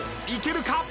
いけるか？